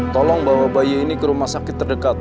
tolong bawa bayi ini ke rumah sakit terdekat